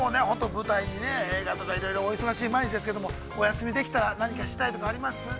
舞台とか、映画とか、いろいろお忙しい毎日ですけれども、お休みできたら何かしたいとかあります？